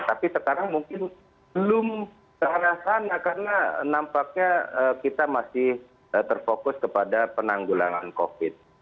tapi sekarang mungkin belum terang terang karena nampaknya kita masih terfokus kepada penanggulangan covid